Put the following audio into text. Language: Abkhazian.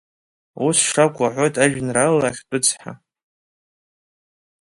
Ус шакәу аҳәоит ажәеинраала Ахьтәы цҳа.